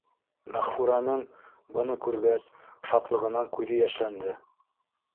Мәғфүрәнең, быны күргәс, шатлығынан күҙе йәшләнде.